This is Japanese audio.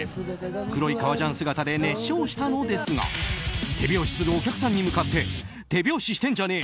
黒い革ジャン姿で熱唱したのですが手拍子するお客さんに向かって手拍子してんじゃねえ！